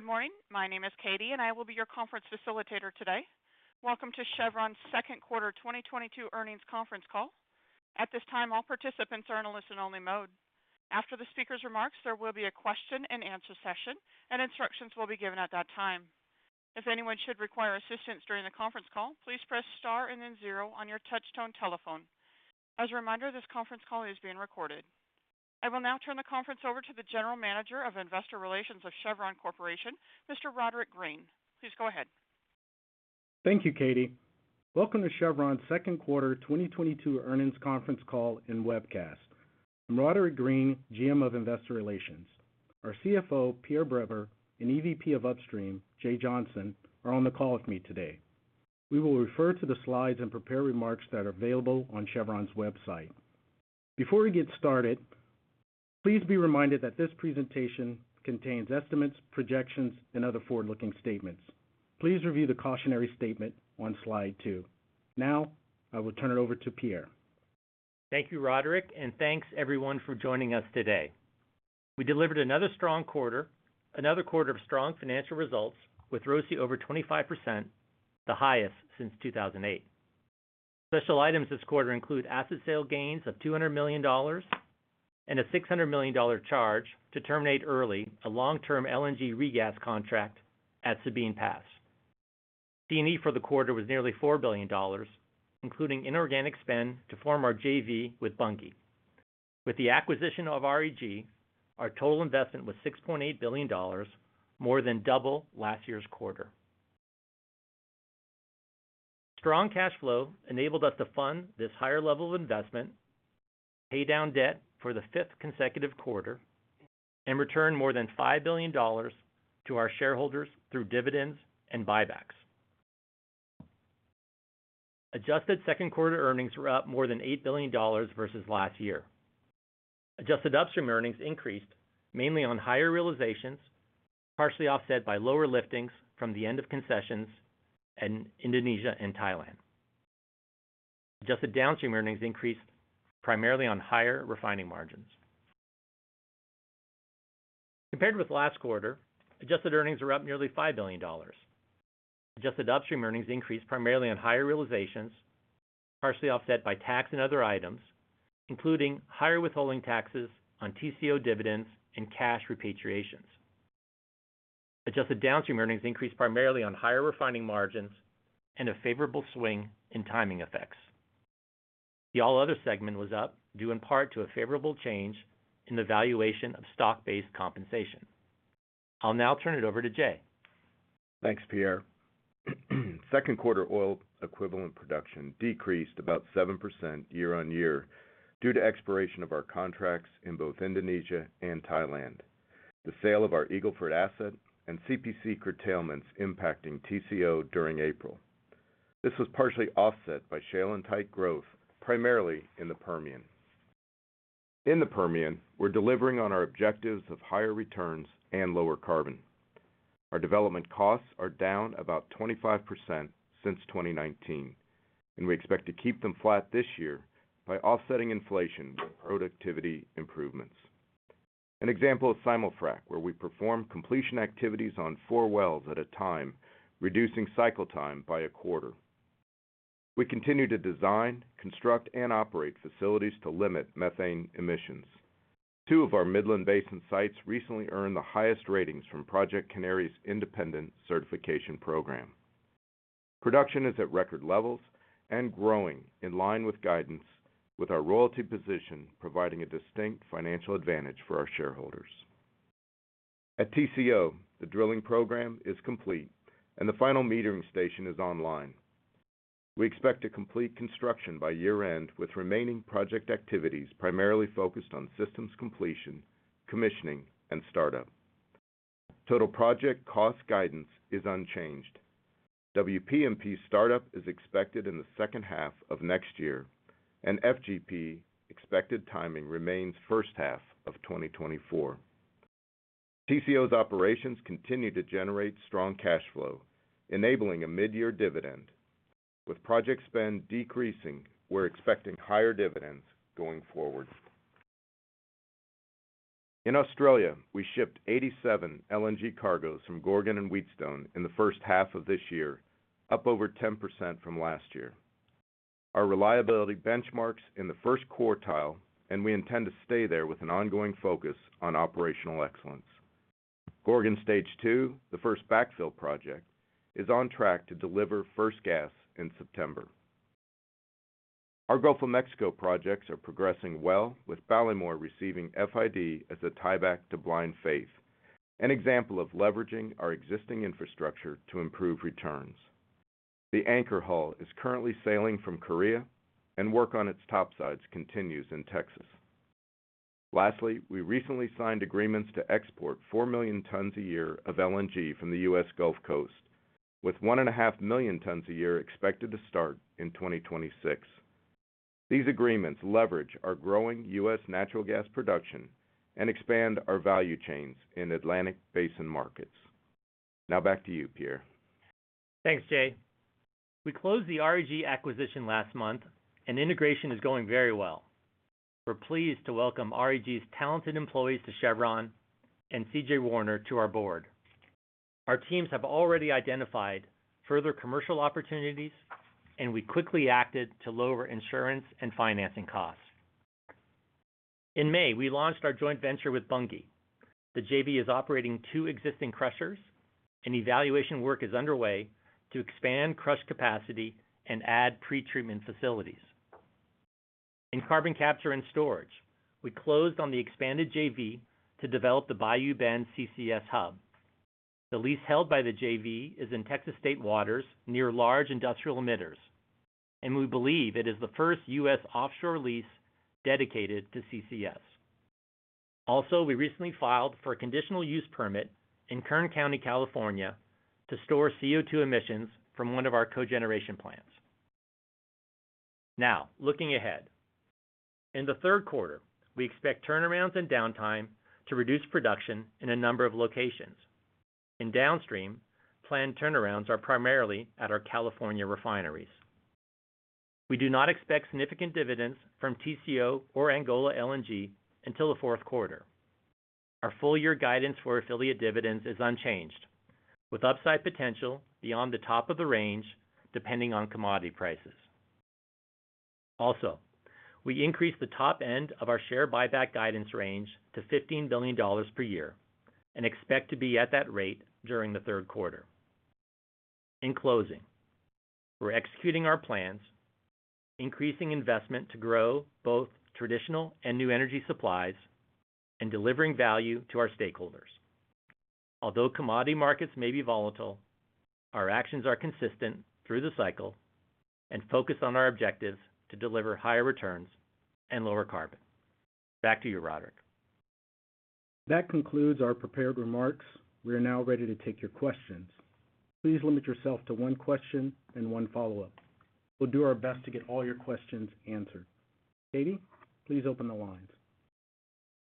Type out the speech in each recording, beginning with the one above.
Good morning. My name is Katie, and I will be your conference facilitator today. Welcome to Chevron's second quarter 2022 earnings conference call. At this time, all participants are in a listen-only mode. After the speaker's remarks, there will be a question-and-answer session, and instructions will be given at that time. If anyone should require assistance during the conference call, please press star and then zero on your touch-tone telephone. As a reminder, this conference call is being recorded. I will now turn the conference over to the General Manager of Investor Relations of Chevron Corporation, Mr. Roderick Green. Please go ahead. Thank you, Katie. Welcome to Chevron's second quarter 2022 earnings conference call and webcast. I'm Roderick Green, GM of Investor Relations. Our CFO, Pierre Breber, and EVP of Upstream, Jay Johnson, are on the call with me today. We will refer to the slides and prepared remarks that are available on Chevron's website. Before we get started, please be reminded that this presentation contains estimates, projections, and other forward-looking statements. Please review the cautionary statement on slide 2. Now, I will turn it over to Pierre. Thank you, Roderick, and thanks everyone for joining us today. We delivered another strong quarter, another quarter of strong financial results with ROCE over 25%, the highest since 2008. Special items this quarter include asset sale gains of $200 million and a $600 million charge to terminate early a long-term LNG regas contract at Sabine Pass. C and E for the quarter was nearly $4 billion, including inorganic spend to form our JV with Bunge. With the acquisition of REG, our total investment was $6.8 billion, more than double last year's quarter. Strong cash flow enabled us to fund this higher level of investment, pay down debt for the fifth consecutive quarter, and return more than $5 billion to our shareholders through dividends and buybacks. Adjusted second-quarter earnings were up more than $8 billion versus last year. Adjusted upstream earnings increased mainly on higher realizations, partially offset by lower liftings from the end of concessions in Indonesia and Thailand. Adjusted downstream earnings increased primarily on higher refining margins. Compared with last quarter, adjusted earnings were up nearly $5 billion. Adjusted upstream earnings increased primarily on higher realizations, partially offset by tax and other items, including higher withholding taxes on TCO dividends and cash repatriations. Adjusted downstream earnings increased primarily on higher refining margins and a favorable swing in timing effects. The all other segment was up due in part to a favorable change in the valuation of stock-based compensation. I'll now turn it over to Jay. Thanks, Pierre. Second quarter oil equivalent production decreased about 7% year-on-year due to expiration of our contracts in both Indonesia and Thailand, the sale of our Eagle Ford asset and CPC curtailments impacting TCO during April. This was partially offset by shale and tight growth, primarily in the Permian. In the Permian, we're delivering on our objectives of higher returns and lower carbon. Our development costs are down about 25% since 2019, and we expect to keep them flat this year by offsetting inflation with productivity improvements. An example is simul-frac, where we perform completion activities on four wells at a time, reducing cycle time by a quarter. We continue to design, construct, and operate facilities to limit methane emissions. Two of our Midland Basin sites recently earned the highest ratings from Project Canary's independent certification program. Production is at record levels and growing in line with guidance with our royalty position, providing a distinct financial advantage for our shareholders. At TCO, the drilling program is complete, and the final metering station is online. We expect to complete construction by year-end, with remaining project activities primarily focused on systems completion, commissioning, and startup. Total project cost guidance is unchanged. WPMP startup is expected in the second half of next year, and FGP expected timing remains first half of 2024. TCO's operations continue to generate strong cash flow, enabling a mid-year dividend. With project spend decreasing, we're expecting higher dividends going forward. In Australia, we shipped 87 LNG cargoes from Gorgon and Wheatstone in the first half of this year, up over 10% from last year. Our reliability benchmarks in the first quartile, and we intend to stay there with an ongoing focus on operational excellence. Gorgon Stage Two, the first backfill project, is on track to deliver first gas in September. Our Gulf of Mexico projects are progressing well, with Ballymore receiving FID as a tieback to Blind Faith, an example of leveraging our existing infrastructure to improve returns. The Anchor hull is currently sailing from Korea and work on its topsides continues in Texas. Lastly, we recently signed agreements to export 4 million tons a year of LNG from the U.S. Gulf Coast, with 1.5 million tons a year expected to start in 2026. These agreements leverage our growing U.S. Natural gas production and expand our value chains in Atlantic Basin markets. Now back to you, Pierre. Thanks, Jay. We closed the REG acquisition last month and integration is going very well. We're pleased to welcome REG's talented employees to Chevron and Cynthia Warner to our board. Our teams have already identified further commercial opportunities, and we quickly acted to lower insurance and financing costs. In May, we launched our joint venture with Bunge. The JV is operating two existing crushers, and evaluation work is underway to expand crush capacity and add pretreatment facilities. In carbon capture and storage, we closed on the expanded JV to develop the Bayou Bend CCS Hub. The lease held by the JV is in Texas state waters near large industrial emitters, and we believe it is the first U.S. offshore lease dedicated to CCS. Also, we recently filed for a conditional use permit in Kern County, California, to store CO2 emissions from one of our cogeneration plants. Now, looking ahead. In the third quarter, we expect turnarounds and downtime to reduce production in a number of locations. In Downstream, planned turnarounds are primarily at our California refineries. We do not expect significant dividends from Tengizchevroil or Angola LNG until the fourth quarter. Our full year guidance for affiliate dividends is unchanged, with upside potential beyond the top of the range depending on commodity prices. Also, we increased the top end of our share buyback guidance range to $15 billion per year and expect to be at that rate during the third quarter. In closing, we're executing our plans, increasing investment to grow both traditional and new energy supplies and delivering value to our stakeholders. Although commodity markets may be volatile, our actions are consistent through the cycle and focus on our objectives to deliver higher returns and lower carbon. Back to you, Roderick. That concludes our prepared remarks. We are now ready to take your questions. Please limit yourself to one question and one follow-up. We'll do our best to get all your questions answered. Katie, please open the lines.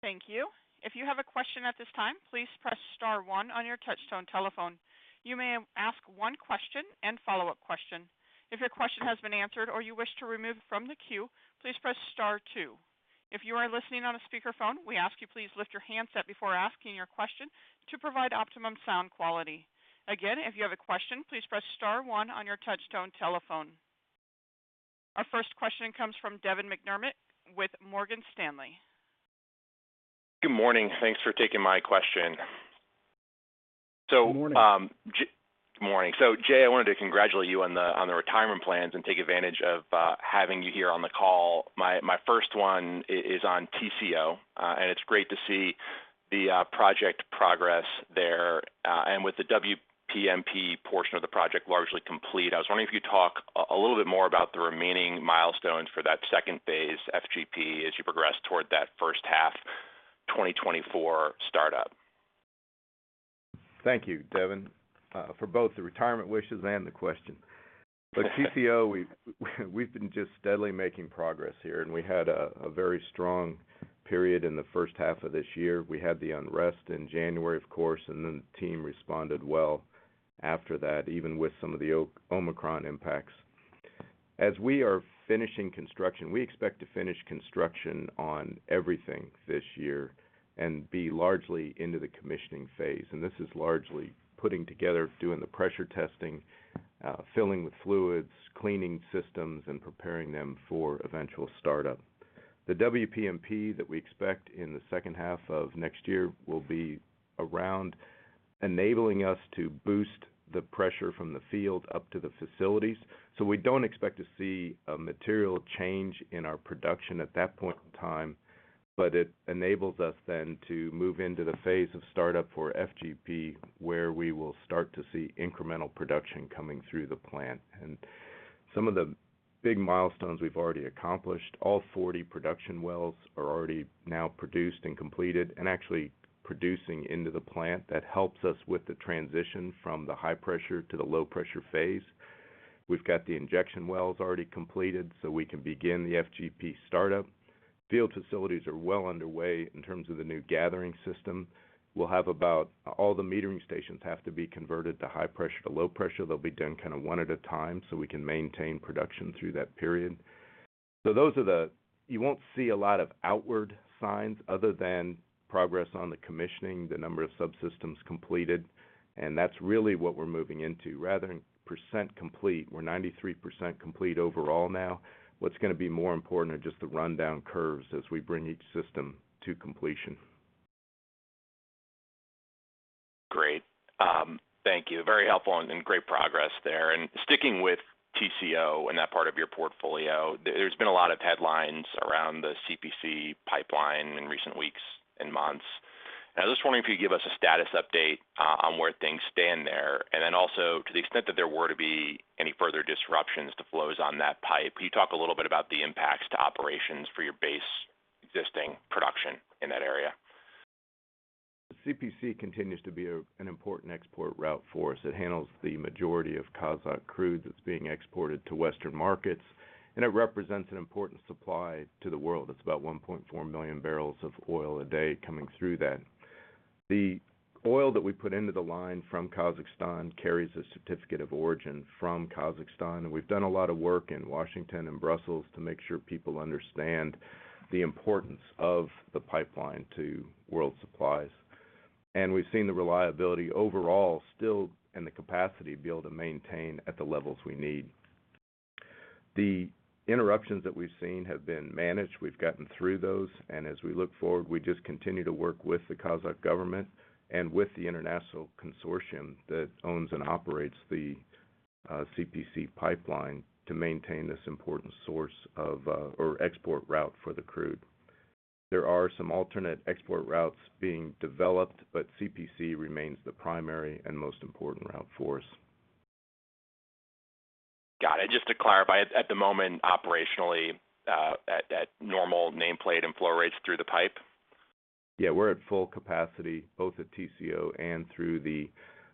Thank you. If you have a question at this time, please press star one on your touch-tone telephone. You may ask one question and follow-up question. If your question has been answered or you wish to remove from the queue, please press star two. If you are listening on a speakerphone, we ask you please lift your handset before asking your question to provide optimum sound quality. Again, if you have a question, please press star one on your touch-tone telephone. Our first question comes from Devin McDermott with Morgan Stanley. Good morning. Thanks for taking my question. Good morning. Good morning. Jay, I wanted to congratulate you on the retirement plans and take advantage of having you here on the call. My first one is on Tengizchevroil, and it's great to see the project progress there. With the WPMP portion of the project largely complete, I was wondering if you talk a little bit more about the remaining milestones for that second phase FGP as you progress toward that first half 2024 startup. Thank you, Devin, for both the retirement wishes and the question. With Tengizchevroil, we've been just steadily making progress here, and we had a very strong period in the first half of this year. We had the unrest in January, of course, and then the team responded well after that, even with some of the Omicron impacts. As we are finishing construction, we expect to finish construction on everything this year and be largely into the commissioning phase. This is largely putting together, doing the pressure testing, filling with fluids, cleaning systems, and preparing them for eventual startup. The WPMP that we expect in the second half of next year will be around enabling us to boost the pressure from the field up to the facilities. We don't expect to see a material change in our production at that point in time, but it enables us then to move into the phase of startup for FGP, where we will start to see incremental production coming through the plant. Some of the big milestones we've already accomplished, all 40 production wells are already now produced and completed and actually producing into the plant. That helps us with the transition from the high pressure to the low pressure phase. We've got the injection wells already completed so we can begin the FGP startup. Field facilities are well underway in terms of the new gathering system. We'll have about all the metering stations have to be converted from high pressure to low pressure. They'll be done kind of one at a time so we can maintain production through that period. You won't see a lot of outward signs other than progress on the commissioning, the number of subsystems completed, and that's really what we're moving into. Rather than percent complete, we're 93% complete overall now. What's gonna be more important are just the rundown curves as we bring each system to completion. Great. Thank you. Very helpful and great progress there. Sticking with TCO and that part of your portfolio, there's been a lot of headlines around the CPC pipeline in recent weeks and months. I was just wondering if you could give us a status update on where things stand there. To the extent that there were to be any further disruptions to flows on that pipe, can you talk a little bit about the impacts to operations for your base existing production in that area? CPC continues to be an important export route for us. It handles the majority of Kazakh crude that's being exported to Western markets, and it represents an important supply to the world. It's about 1.4 million barrels of oil a day coming through that. The oil that we put into the line from Kazakhstan carries a certificate of origin from Kazakhstan. We've done a lot of work in Washington and Brussels to make sure people understand the importance of the pipeline to world supplies. We've seen the reliability overall still and the capacity be able to maintain at the levels we need. The interruptions that we've seen have been managed. We've gotten through those, and as we look forward, we just continue to work with the Kazakh government and with the international consortium that owns and operates the CPC pipeline to maintain this important source of our export route for the crude. There are some alternate export routes being developed, but CPC remains the primary and most important route for us. Got it. Just to clarify, at the moment, operationally, at normal nameplate and flow rates through the pipe? Yeah, we're at full capacity both at TCO and through the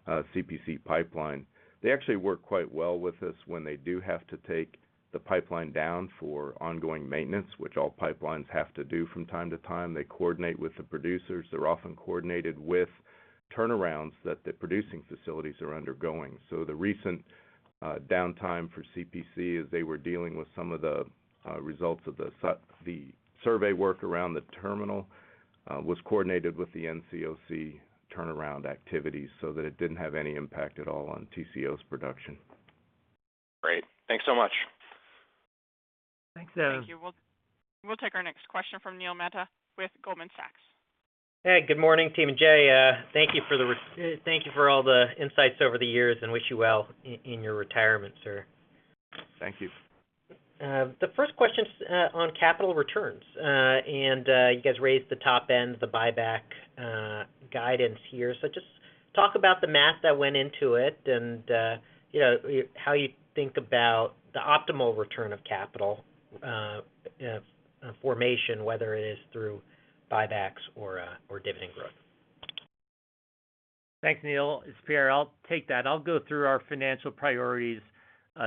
CPC pipeline. They actually work quite well with us when they do have to take the pipeline down for ongoing maintenance, which all pipelines have to do from time to time. They coordinate with the producers. They're often coordinated with turnarounds that the producing facilities are undergoing. The recent downtime for CPC as they were dealing with some of the results of the survey work around the terminal was coordinated with the NCOC turnaround activities so that it didn't have any impact at all on TCO's production. Great. Thanks so much. Thanks. Thank you. We'll take our next question from Neil Mehta with Goldman Sachs. Hey, good morning, team, and Jay. Thank you for all the insights over the years and wish you well in your retirement, sir. Thank you. The first question's on capital returns. You guys raised the top end, the buyback, guidance here. Just talk about the math that went into it and, you know, how you think about the optimal return of capital formation, whether it is through buybacks or dividend growth. Thanks, Neil. It's Pierre. I'll take that. I'll go through our financial priorities.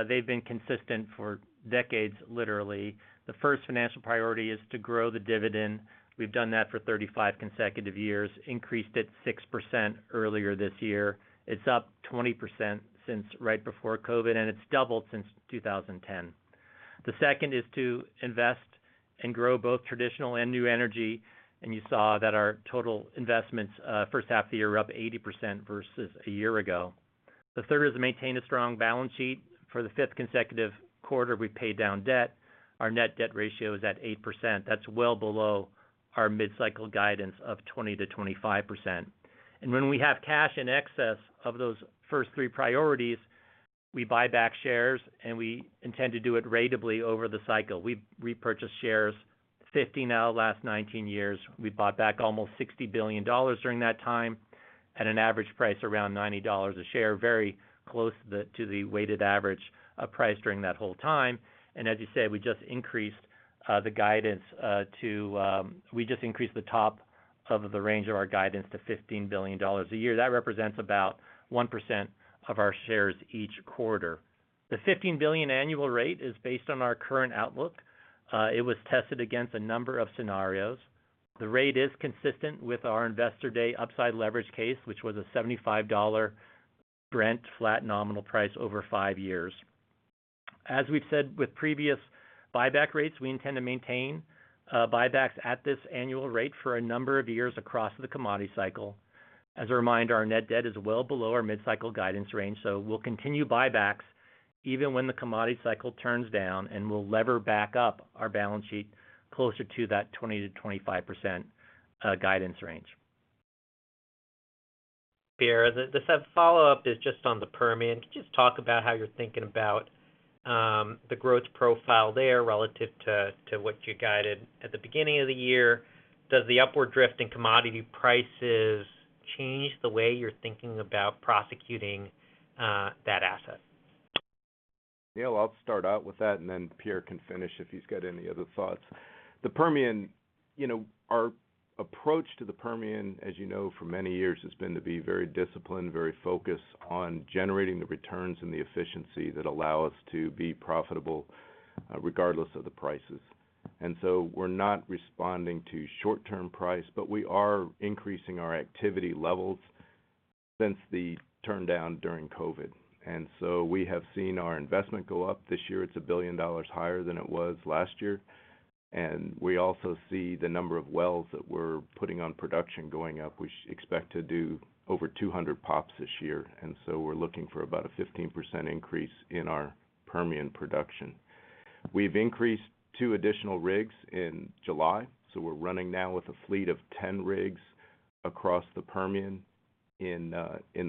They've been consistent for decades, literally. The first financial priority is to grow the dividend. We've done that for 35 consecutive years, increased it 6% earlier this year. It's up 20% since right before COVID, and it's doubled since 2010. The second is to invest and grow both traditional and new energy. You saw that our total investments, first half of the year are up 80% versus a year ago. The third is to maintain a strong balance sheet. For the fifth consecutive quarter, we paid down debt. Our net debt ratio is at 8%. That's well below our mid-cycle guidance of 20%-25%. When we have cash in excess of those first three priorities, we buy back shares, and we intend to do it ratably over the cycle. We've repurchased shares 15 out of the last 19 years. We bought back almost $60 billion during that time at an average price around $90 a share, very close to the weighted average price during that whole time. As you said, we just increased the top of the range of our guidance to $15 billion a year. That represents about 1% of our shares each quarter. The $15 billion annual rate is based on our current outlook. It was tested against a number of scenarios. The rate is consistent with our investor day upside leverage case, which was a $75 Brent flat nominal price over five years. As we've said with previous buyback rates, we intend to maintain buybacks at this annual rate for a number of years across the commodity cycle. As a reminder, our net debt is well below our mid-cycle guidance range, so we'll continue buybacks even when the commodity cycle turns down, and we'll lever back up our balance sheet closer to that 20%-25% guidance range. Pierre, the follow-up is just on the Permian. Could you just talk about how you're thinking about the growth profile there relative to what you guided at the beginning of the year? Does the upward drift in commodity prices change the way you're thinking about prosecuting that asset? Neil, I'll start out with that, and then Pierre can finish if he's got any other thoughts. The Permian, you know, our approach to the Permian, as you know, for many years has been to be very disciplined, very focused on generating the returns and the efficiency that allow us to be profitable, regardless of the prices. We're not responding to short-term price, but we are increasing our activity levels since the turndown during COVID. We have seen our investment go up. This year, it's $1 billion higher than it was last year. We also see the number of wells that we're putting on production going up. We expect to do over 200 POPs this year, and so we're looking for about a 15% increase in our Permian production. We've increased two additional rigs in July, so we're running now with a fleet of 10 rigs across the Permian in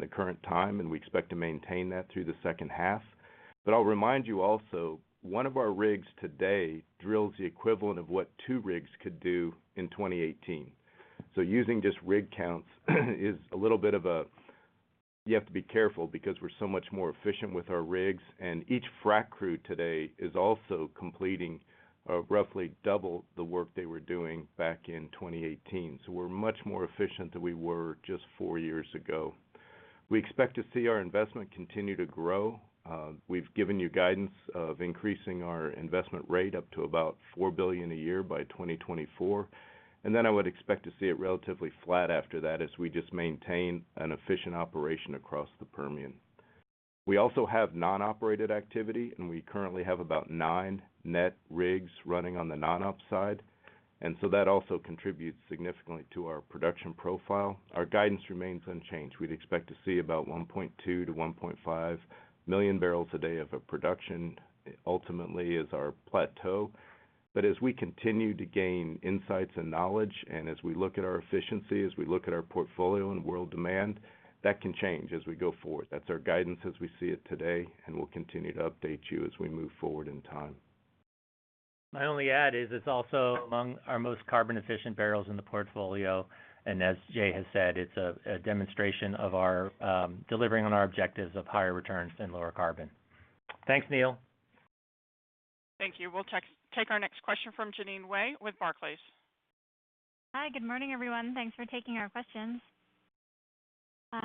the current time, and we expect to maintain that through the second half. I'll remind you also, one of our rigs today drills the equivalent of what two rigs could do in 2018. Using just rig counts is a little bit of a you have to be careful because we're so much more efficient with our rigs, and each frack crew today is also completing roughly double the work they were doing back in 2018. We're much more efficient than we were just four years ago. We expect to see our investment continue to grow. We've given you guidance of increasing our investment rate up to about $4 billion a year by 2024, and then I would expect to see it relatively flat after that as we just maintain an efficient operation across the Permian. We also have non-operated activity, and we currently have about nine net rigs running on the non-op side. That also contributes significantly to our production profile. Our guidance remains unchanged. We'd expect to see about 1.2 million-1.5 million barrels a day of a production ultimately as our plateau. As we continue to gain insights and knowledge, and as we look at our efficiency, as we look at our portfolio and world demand, that can change as we go forward. That's our guidance as we see it today, and we'll continue to update you as we move forward in time. My only add is it's also among our most carbon efficient barrels in the portfolio, and as Jay has said, it's a demonstration of our delivering on our objectives of higher returns and lower carbon. Thanks, Neil. Thank you. We'll take our next question from Jeanine Wai with Barclays. Hi, good morning, everyone. Thanks for taking our questions.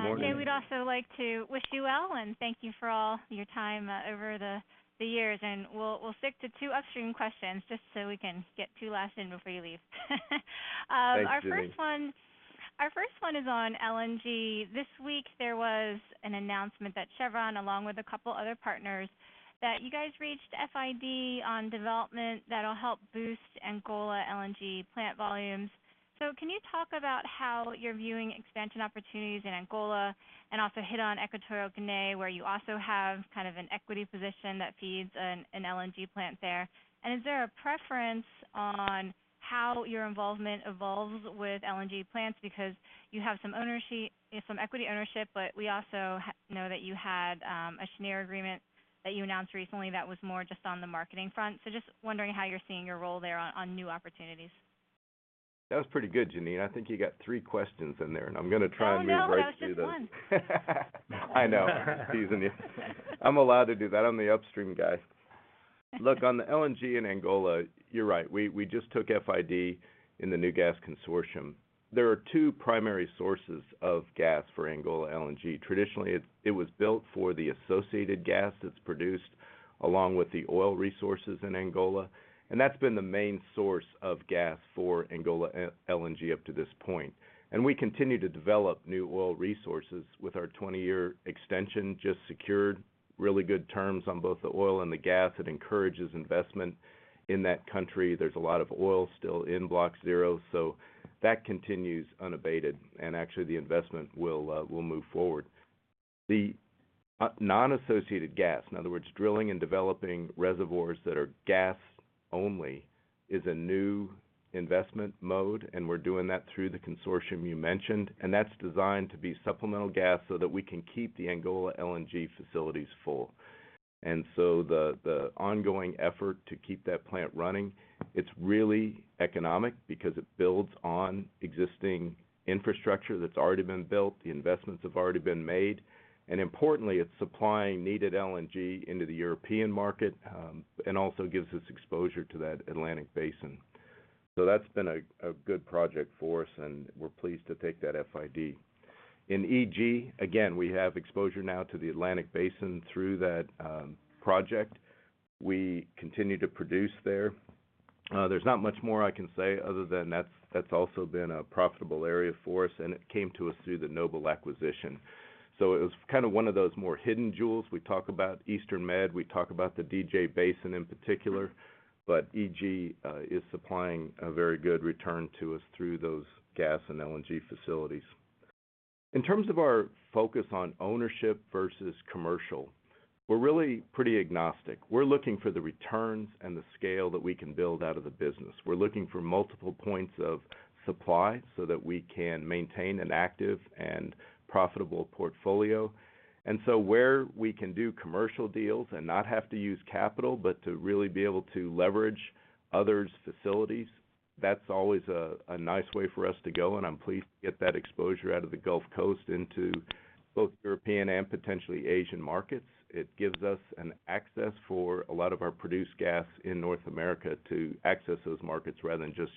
Morning. Jay, we'd also like to wish you well, and thank you for all your time over the years. We'll stick to two upstream questions just so we can get two last in before you leave. Thanks, Jeanine. Our first one is on LNG. This week, there was an announcement that Chevron, along with a couple other partners, that you guys reached FID on development that'll help boost Angola LNG plant volumes. Can you talk about how you're viewing expansion opportunities in Angola and also hit on Equatorial Guinea, where you also have kind of an equity position that feeds an LNG plant there? Is there a preference on how your involvement evolves with LNG plants? Because you have some equity ownership, but we also know that you had a SPA agreement that you announced recently that was more just on the marketing front. Just wondering how you're seeing your role there on new opportunities. That was pretty good, Jeanine. I think you got three questions in there, and I'm gonna try and move right through those. Oh, no, that was just one. I know. Teasing you. I'm allowed to do that, I'm the upstream guy. Look, on the LNG in Angola, you're right. We just took FID in the new gas consortium. There are two primary sources of gas for Angola LNG. Traditionally, it was built for the associated gas that's produced along with the oil resources in Angola, and that's been the main source of gas for Angola LNG up to this point. We continue to develop new oil resources with our 20-year extension, just secured really good terms on both the oil and the gas. It encourages investment in that country. There's a lot of oil still in Block 0, so that continues unabated, and actually the investment will move forward. Non-associated gas, in other words, drilling and developing reservoirs that are gas only, is a new investment mode, and we're doing that through the consortium you mentioned, and that's designed to be supplemental gas so that we can keep the Angola LNG facilities full. The ongoing effort to keep that plant running, it's really economic because it builds on existing infrastructure that's already been built. The investments have already been made, and importantly, it's supplying needed LNG into the European market, and also gives us exposure to that Atlantic Basin. That's been a good project for us, and we're pleased to take that FID. In EG, again, we have exposure now to the Atlantic Basin through that project. We continue to produce there. There's not much more I can say other than that's also been a profitable area for us, and it came to us through the Noble acquisition. It was kind of one of those more hidden jewels. We talk about Eastern Med, we talk about the DJ Basin in particular, but EG is supplying a very good return to us through those gas and LNG facilities. In terms of our focus on ownership versus commercial, we're really pretty agnostic. We're looking for the returns and the scale that we can build out of the business. We're looking for multiple points of supply so that we can maintain an active and profitable portfolio. Where we can do commercial deals and not have to use capital, but to really be able to leverage others' facilities, that's always a nice way for us to go, and I'm pleased to get that exposure out of the Gulf Coast into both European and potentially Asian markets. It gives us an access for a lot of our produced gas in North America to access those markets rather than just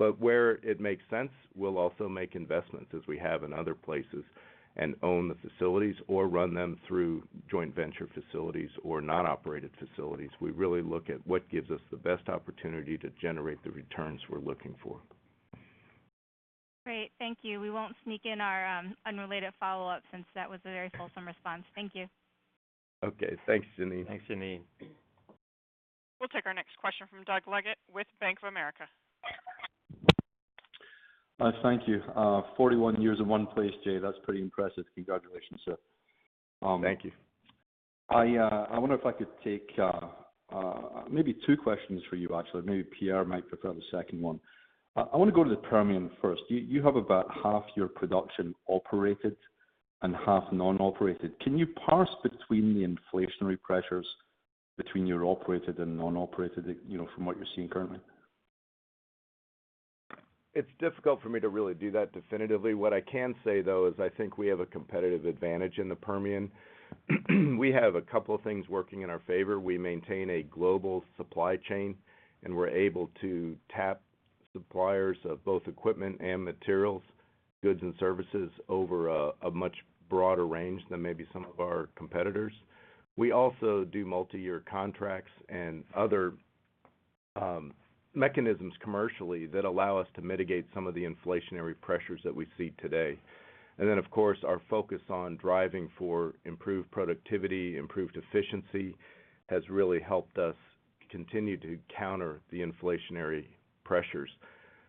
U.S. Where it makes sense, we'll also make investments, as we have in other places, and own the facilities or run them through joint venture facilities or non-operated facilities. We really look at what gives us the best opportunity to generate the returns we're looking for. Great. Thank you. We won't sneak in our, unrelated follow-up since that was a very wholesome response. Thank you. Okay. Thanks, Jeanine. Thanks, Jeanine. We'll take our next question from Doug Leggate with Bank of America. Thank you. 41 years in one place, Jay, that's pretty impressive. Congratulations, sir. Thank you. I wonder if I could take maybe two questions for you actually. Maybe Pierre might prefer the second one. I wanna go to the Permian first. You have about half your production operated and half non-operated. Can you parse between the inflationary pressures between your operated and non-operated, you know, from what you're seeing currently? It's difficult for me to really do that definitively. What I can say though is I think we have a competitive advantage in the Permian. We have a couple of things working in our favor. We maintain a global supply chain, and we're able to tap suppliers of both equipment and materials, goods and services over a much broader range than maybe some of our competitors. We also do multi-year contracts and other mechanisms commercially that allow us to mitigate some of the inflationary pressures that we see today. Of course, our focus on driving for improved productivity, improved efficiency, has really helped us continue to counter the inflationary pressures.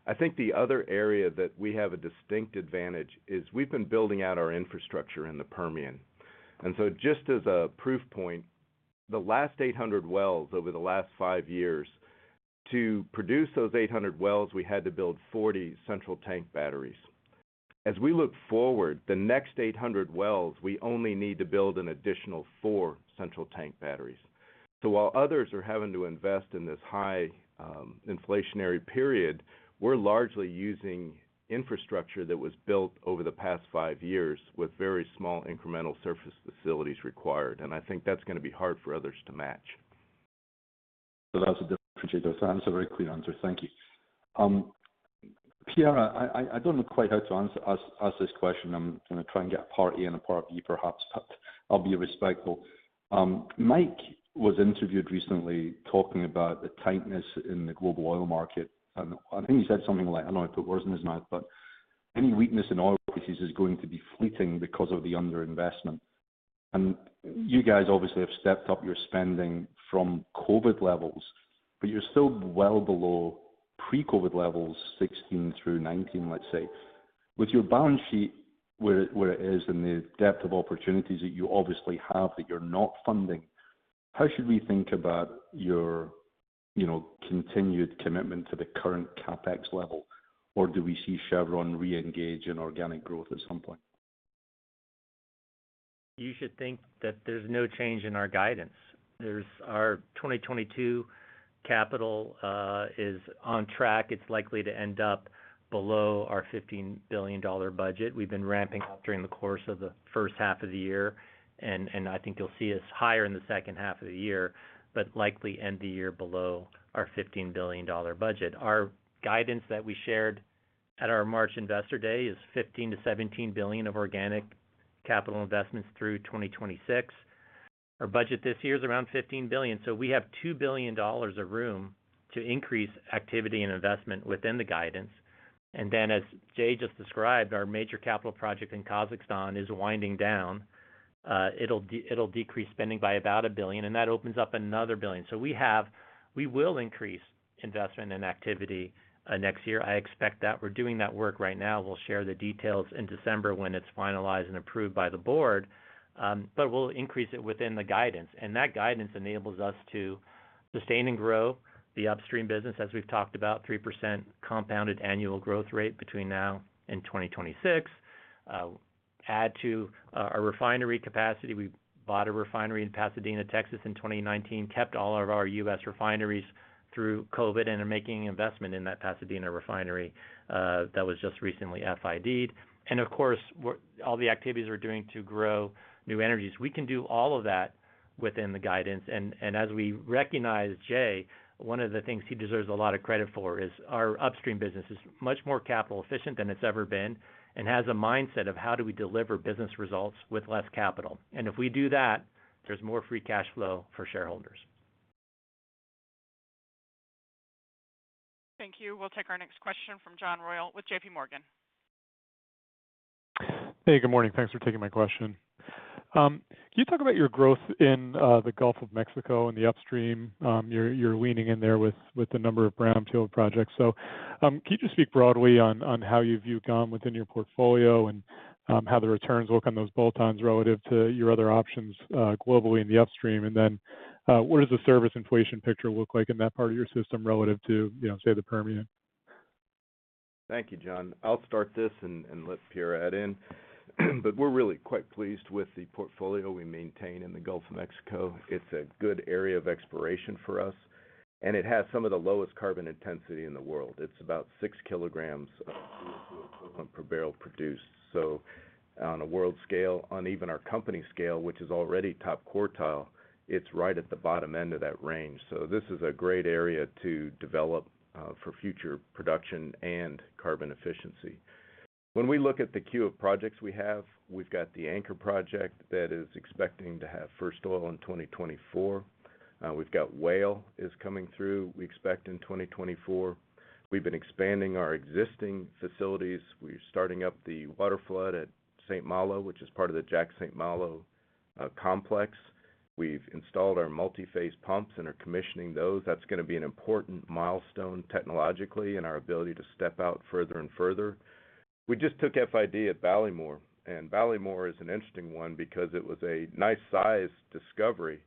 I think the other area that we have a distinct advantage is we've been building out our infrastructure in the Permian. Just as a proof point, the last 800 wells over the last five years, to produce those 800 wells, we had to build 40 central tank batteries. As we look forward, the next 800 wells, we only need to build an additional four central tank batteries. While others are having to invest in this high, inflationary period, we're largely using infrastructure that was built over the past five years with very small incremental surface facilities required. I think that's gonna be hard for others to match. That was a different answer, a very clear answer. Thank you. Pierre, I don't know quite how to ask this question. I'm gonna try and get a part A and a part B perhaps, but I'll be respectful. Mike was interviewed recently talking about the tightness in the global oil market, and I think he said something like, I know I put words in his mouth, but any weakness in oil prices is going to be fleeting because of the underinvestment. You guys obviously have stepped up your spending from COVID levels, but you're still well below pre-COVID levels, 2016-2019, let's say. With your balance sheet where it is and the depth of opportunities that you obviously have that you're not funding, how should we think about your, you know, continued commitment to the current CapEx level? Do we see Chevron reengage in organic growth at some point? You should think that there's no change in our guidance. Our 2022 capital is on track. It's likely to end up below our $15 billion budget. We've been ramping up during the course of the first half of the year, and I think you'll see us higher in the second half of the year, but likely end the year below our $15 billion budget. Our guidance that we shared at our March investor day is $15 billion-$17 billion of organic capital investments through 2026. Our budget this year is around $15 billion. We have $2 billion of room to increase activity and investment within the guidance. As Jay just described, our major capital project in Kazakhstan is winding down. It'll decrease spending by about $1 billion, and that opens up another $1 billion. We will increase investment and activity next year. I expect that we're doing that work right now. We'll share the details in December when it's finalized and approved by the board, but we'll increase it within the guidance. That guidance enables us to sustain and grow the upstream business as we've talked about 3% compounded annual growth rate between now and 2026. Add to our refinery capacity. We bought a refinery in Pasadena, Texas, in 2019, kept all of our U.S. refineries through COVID and are making investment in that Pasadena refinery that was just recently FID'd. Of course, all the activities we're doing to grow new energies. We can do all of that within the guidance. As we recognize Jay, one of the things he deserves a lot of credit for is our upstream business is much more capital efficient than it's ever been and has a mindset of how do we deliver business results with less capital. If we do that, there's more free cash flow for shareholders. Thank you. We'll take our next question from John Royall with J.P. Morgan. Hey, good morning. Thanks for taking my question. Can you talk about your growth in the Gulf of Mexico in the upstream? You're leaning in there with the number of brownfield projects. Can you just speak broadly on how you view GOM within your portfolio and how the returns look on those bolt-ons relative to your other options globally in the upstream? What does the service inflation picture look like in that part of your system relative to, you know, say, the Permian? Thank you, John. I'll start this and let Pierre add in. We're really quite pleased with the portfolio we maintain in the Gulf of Mexico. It's a good area of exploration for us, and it has some of the lowest carbon intensity in the world. It's about six kg of CO2 equivalent per barrel produced. On a world scale, on even our company scale, which is already top quartile, it's right at the bottom end of that range. This is a great area to develop for future production and carbon efficiency. When we look at the queue of projects we have, we've got the Anchor project that is expecting to have first oil in 2024. We've got Whale is coming through, we expect in 2024. We've been expanding our existing facilities. We're starting up the water flood at St. Malo, which is part of the Jack/St. Malo complex. We've installed our multi-phase pumps and are commissioning those. That's gonna be an important milestone technologically in our ability to step out further and further. We just took FID at Ballymore, and Ballymore is an interesting one because it was a nice size discovery,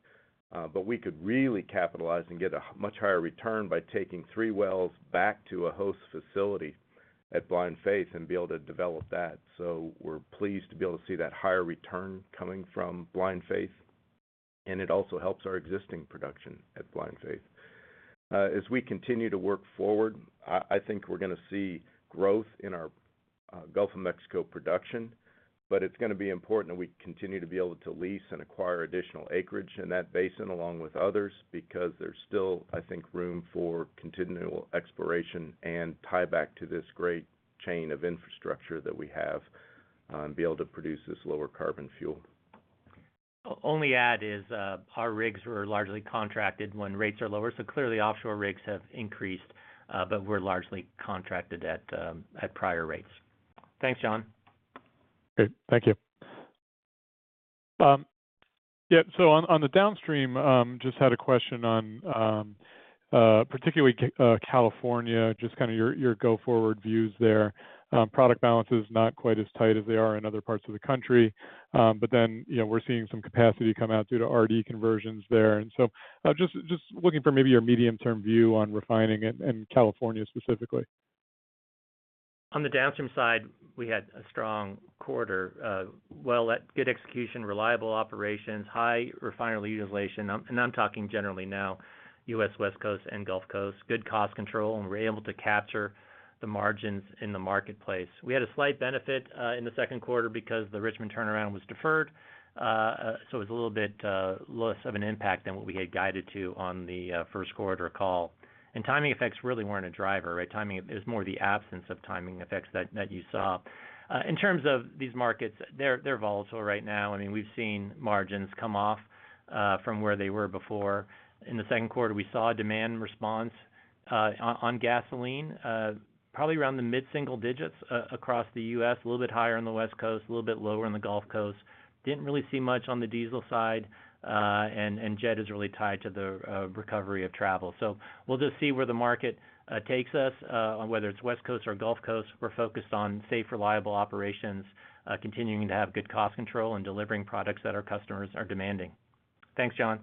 but we could really capitalize and get a much higher return by taking three wells back to a host facility at Blind Faith and be able to develop that. We're pleased to be able to see that higher return coming from Blind Faith, and it also helps our existing production at Blind Faith. As we continue to work forward, I think we're gonna see growth in our Gulf of Mexico production. It's gonna be important that we continue to be able to lease and acquire additional acreage in that basin along with others, because there's still, I think, room for continual exploration and tieback to this great chain of infrastructure that we have, and be able to produce this lower carbon fuel. Only added is our rigs were largely contracted when rates are lower. Clearly, offshore rigs have increased, but we're largely contracted at prior rates. Thanks, John. Great. Thank you. So on the downstream, just had a question on particularly California, just kinda your go-forward views there. Product balance is not quite as tight as they are in other parts of the country. You know, we're seeing some capacity come out due to RD conversions there. Just looking for maybe your medium-term view on refining and California specifically. On the downstream side, we had a strong quarter. Well, good execution, reliable operations, high refinery utilization. I'm talking generally now, U.S. West Coast and Gulf Coast. Good cost control, and we were able to capture the margins in the marketplace. We had a slight benefit in the second quarter because the Richmond turnaround was deferred. It's a little bit less of an impact than what we had guided to on the first quarter call. Timing effects really weren't a driver, right? It was more the absence of timing effects that you saw. In terms of these markets, they're volatile right now. I mean, we've seen margins come off from where they were before. In the second quarter, we saw a demand response on gasoline, probably around the mid-single digits across the U.S., a little bit higher on the West Coast, a little bit lower on the Gulf Coast. Didn't really see much on the diesel side, and jet is really tied to the recovery of travel. We'll just see where the market takes us. Whether it's West Coast or Gulf Coast, we're focused on safe, reliable operations, continuing to have good cost control, and delivering products that our customers are demanding. Thanks, John.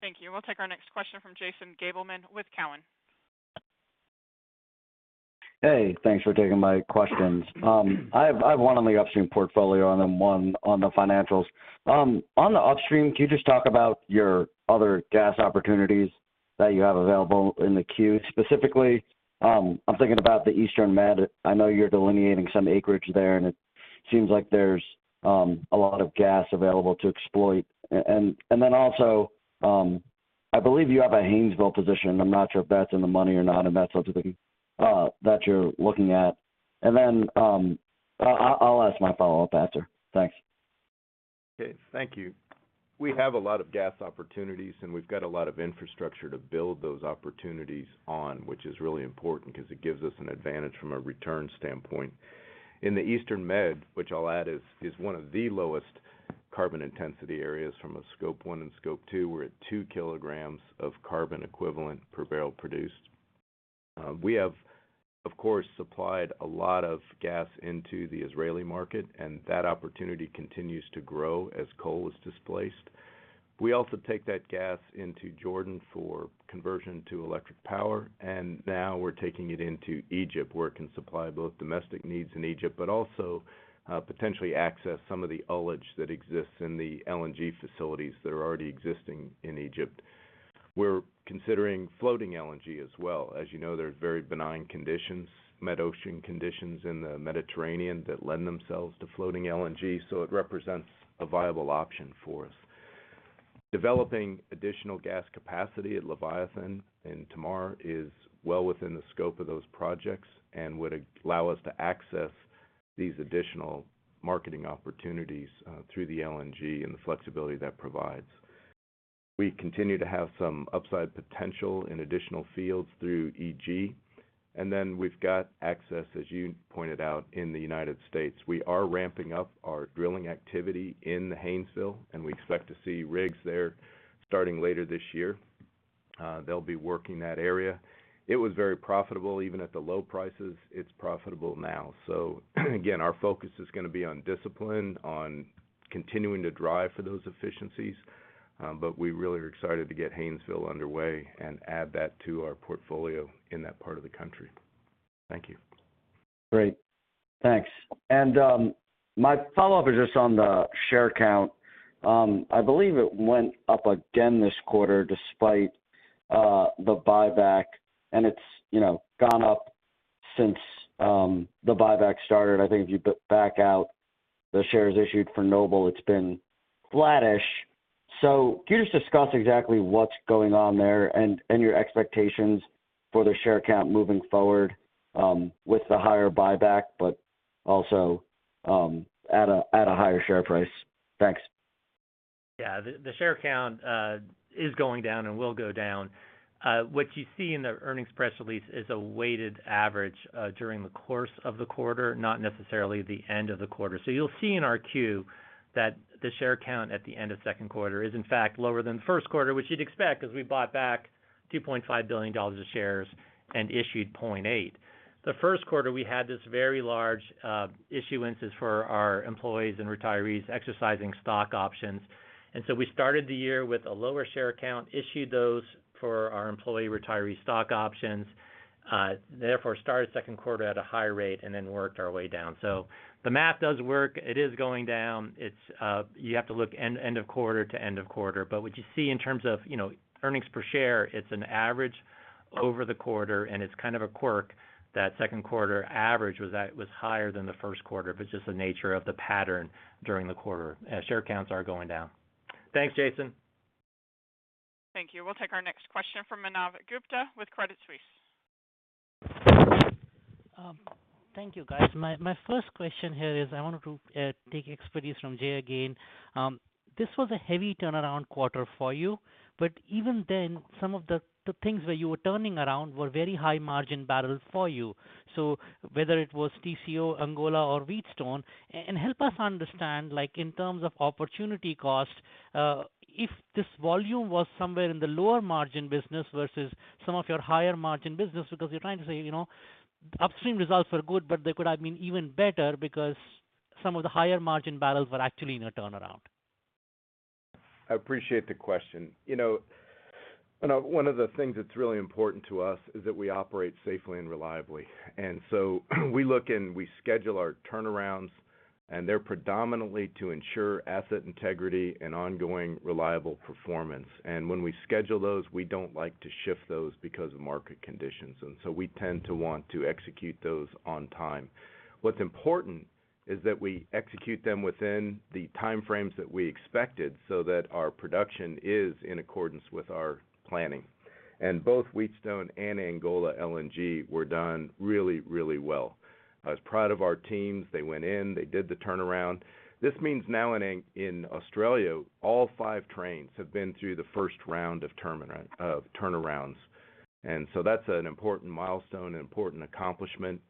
Thank you. We'll take our next question from Jason Gabelman with Cowen. Hey, thanks for taking my questions. I have one on the upstream portfolio and then one on the financials. On the upstream, can you just talk about your other gas opportunities that you have available in the queue? Specifically, I'm thinking about the Eastern Med. I know you're delineating some acreage there, and it seems like there's a lot of gas available to exploit. And then also, I believe you have a Haynesville position. I'm not sure if that's in the money or not, and that's something that you're looking at. Then, I'll ask my follow-up after. Thanks. Okay, thank you. We have a lot of gas opportunities, and we've got a lot of infrastructure to build those opportunities on, which is really important 'cause it gives us an advantage from a return standpoint. In the Eastern Med, which I'll add is one of the lowest carbon intensity areas from a Scope 1 and Scope 2. We're at two kg of carbon equivalent per barrel produced. We have, of course, supplied a lot of gas into the Israeli market, and that opportunity continues to grow as coal is displaced. We also take that gas into Jordan for conversion to electric power, and now we're taking it into Egypt, where it can supply both domestic needs in Egypt, but also potentially access some of the ullage that exists in the LNG facilities that are already existing in Egypt. We're considering floating LNG as well. As you know, there's very benign conditions, Med ocean conditions in the Mediterranean that lend themselves to floating LNG, so it represents a viable option for us. Developing additional gas capacity at Leviathan and Tamar is well within the scope of those projects and would allow us to access these additional marketing opportunities, through the LNG and the flexibility that provides. We continue to have some upside potential in additional fields through EG. We've got access, as you pointed out, in the United States. We are ramping up our drilling activity in the Haynesville, and we expect to see rigs there starting later this year. They'll be working that area. It was very profitable. Even at the low prices, it's profitable now. Again, our focus is gonna be on discipline, on continuing to drive for those efficiencies. We really are excited to get Haynesville underway and add that to our portfolio in that part of the country. Thank you. Great. Thanks. My follow-up is just on the share count. I believe it went up again this quarter despite the buyback, and it's, you know, gone up since the buyback started. I think if you back out the shares issued for Noble, it's been flattish. Can you just discuss exactly what's going on there and your expectations for the share count moving forward with the higher buyback, but also at a higher share price? Thanks. Yeah. The share count is going down and will go down. What you see in the earnings press release is a weighted average during the course of the quarter, not necessarily the end of the quarter. You'll see in our queue that the share count at the end of second quarter is in fact lower than the first quarter, which you'd expect 'cause we bought back $2.5 billion of shares and issued $0.8 billion. The first quarter, we had this very large issuances for our employees and retirees exercising stock options. We started the year with a lower share count, issued those for our employee retiree stock options, therefore started second quarter at a higher rate and then worked our way down. The math does work. It is going down. It's you have to look end of quarter to end of quarter. What you see in terms of, you know, earnings per share, it's an average over the quarter, and it's kind of a quirk that second quarter average was higher than the first quarter, but just the nature of the pattern during the quarter as share counts are going down. Thanks, Jason. Thank you. We'll take our next question from Manav Gupta with Credit Suisse. Thank you, guys. My first question here is I wanted to tap expertise from Jay again. This was a heavy turnaround quarter for you, but even then, some of the things that you were turning around were very high margin barrels for you. Whether it was Tengizchevroil, Angola or Wheatstone, and help us understand, like in terms of opportunity cost, if this volume was somewhere in the lower margin business versus some of your higher margin business, because you're trying to say, you know, upstream results were good, but they could have been even better because some of the higher margin barrels were actually in a turnaround. I appreciate the question. You know, one of the things that's really important to us is that we operate safely and reliably. We look and we schedule our turnarounds, and they're predominantly to ensure asset integrity and ongoing reliable performance. When we schedule those, we don't like to shift those because of market conditions. We tend to want to execute those on time. What's important is that we execute them within the time frames that we expected, so that our production is in accordance with our planning. Both Wheatstone and Angola LNG were done really, really well. I was proud of our teams. They went in, they did the turnaround. This means now in Angola, in Australia, all five trains have been through the first round of turnarounds, so that's an important milestone, an important accomplishment.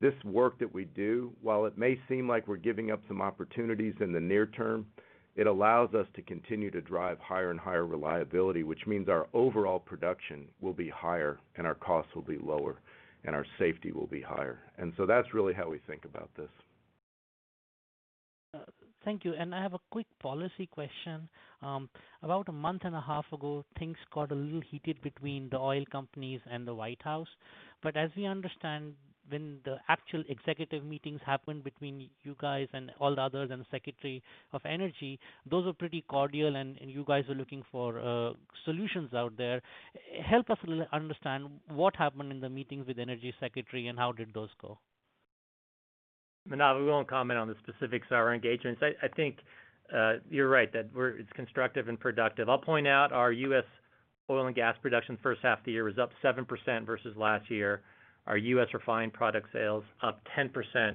This work that we do, while it may seem like we're giving up some opportunities in the near term, it allows us to continue to drive higher and higher reliability, which means our overall production will be higher and our costs will be lower and our safety will be higher. That's really how we think about this. Thank you. I have a quick policy question. About a month and a half ago, things got a little heated between the oil companies and the White House. As we understand, when the actual executive meetings happened between you guys and all others, and the Secretary of Energy, those were pretty cordial and you guys are looking for solutions out there. Help us understand what happened in the meetings with Energy Secretary and how did those go? Manav, we won't comment on the specifics of our engagements. I think you're right that it's constructive and productive. I'll point out our U.S. oil and gas production, first half of the year was up 7% versus last year. Our U.S. refined product sales up 10%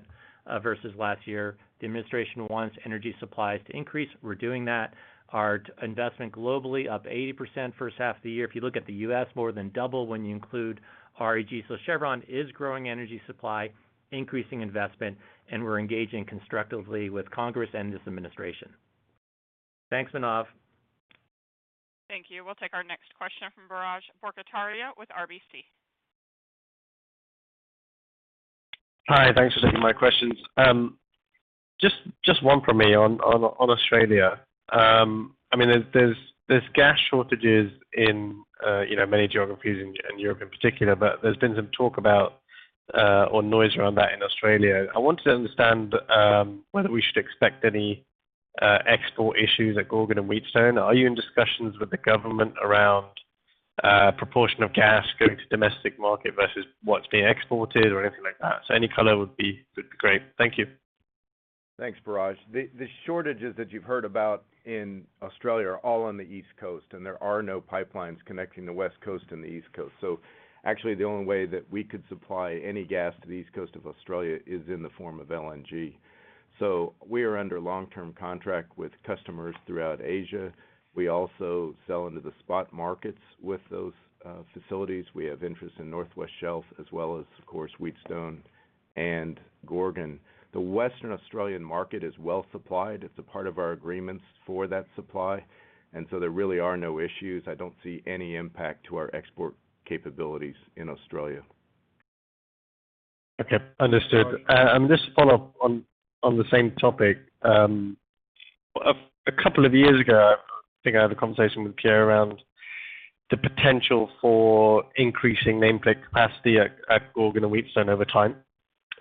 versus last year. The administration wants energy supplies to increase. We're doing that. Our investment globally up 80% first half of the year. If you look at the U.S., more than double when you include REG. Chevron is growing energy supply, increasing investment, and we're engaging constructively with Congress and this administration. Thanks, Manav. Thank you. We'll take our next question from Biraj Borkhataria with RBC. Hi. Thanks for taking my questions. Just one from me on Australia. I mean, there's gas shortages in you know, many geographies in Europe in particular, but there's been some talk about or noise around that in Australia. I wanted to understand whether we should expect any export issues at Gorgon and Wheatstone. Are you in discussions with the government around proportion of gas going to domestic market versus what's being exported or anything like that? Any color would be great. Thank you. Thanks, Biraj. The shortages that you've heard about in Australia are all on the East Coast, and there are no pipelines connecting the West Coast and the East Coast. Actually the only way that we could supply any gas to the East Coast of Australia is in the form of LNG. We are under long-term contract with customers throughout Asia. We also sell into the spot markets with those facilities. We have interest in Northwest Shelf as well as of course, Wheatstone and Gorgon. The Western Australian market is well supplied. It's a part of our agreements for that supply, and so there really are no issues. I don't see any impact to our export capabilities in Australia. Okay, understood. Just follow up on the same topic. A couple of years ago, I think I had a conversation with Pierre around the potential for increasing nameplate capacity at Gorgon and Wheatstone over time.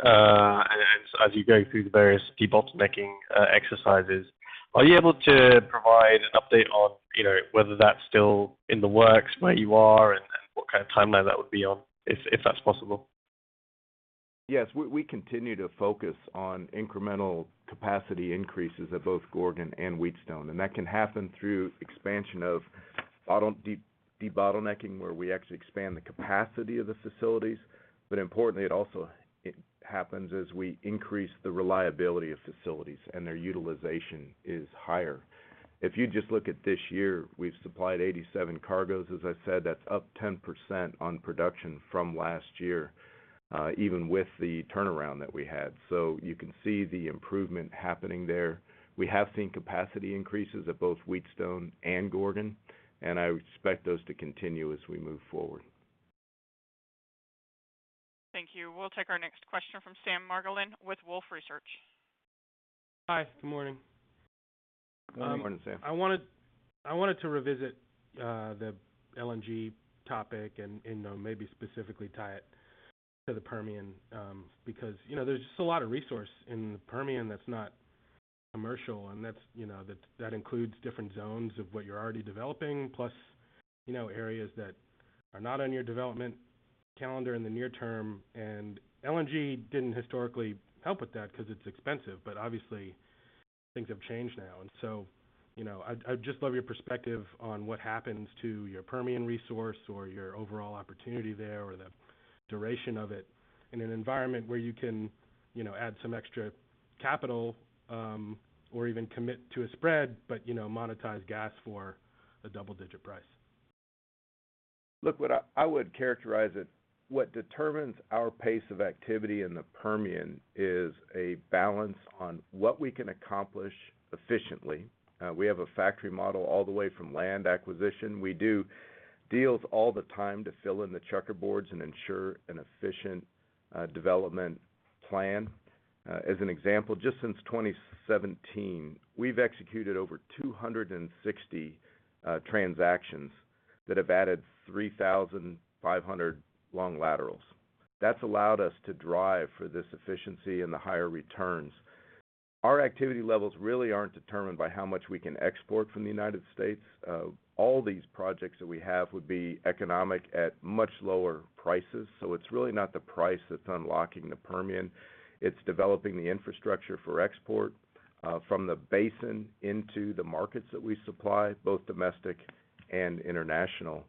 As you go through the various debottlenecking exercises. Are you able to provide an update on, you know, whether that's still in the works, where you are and what kind of timeline that would be on, if that's possible? Yes. We continue to focus on incremental capacity increases at both Gorgon and Wheatstone, and that can happen through expansion of debottlenecking, where we actually expand the capacity of the facilities. Importantly, it also happens as we increase the reliability of facilities and their utilization is higher. If you just look at this year, we've supplied 87 cargoes. As I said, that's up 10% on production from last year, even with the turnaround that we had. You can see the improvement happening there. We have seen capacity increases at both Wheatstone and Gorgon, and I would expect those to continue as we move forward. Thank you. We'll take our next question from Sam Margolin with Wolfe Research. Hi. Good morning. Good morning, Sam. I wanted to revisit the LNG topic and maybe specifically tie it to the Permian, because, you know, there's just a lot of resource in the Permian that's not commercial, and that's, you know, that includes different zones of what you're already developing, plus, you know, areas that are not on your development calendar in the near term. LNG didn't historically help with that 'cause it's expensive, but obviously things have changed now. You know, I'd just love your perspective on what happens to your Permian resource or your overall opportunity there or the duration of it in an environment where you can, you know, add some extra capital, or even commit to a spread, but, you know, monetize gas for a double-digit price. Look, what I would characterize it, what determines our pace of activity in the Permian is a balance on what we can accomplish efficiently. We have a factory model all the way from land acquisition. We do deals all the time to fill in the checkerboards and ensure an efficient development plan. As an example, just since 2017, we've executed over 260 transactions that have added 3,500 long laterals. That's allowed us to drive for this efficiency and the higher returns. Our activity levels really aren't determined by how much we can export from the United States. All these projects that we have would be economic at much lower prices. It's really not the price that's unlocking the Permian. It's developing the infrastructure for export from the basin into the markets that we supply, both domestic and international.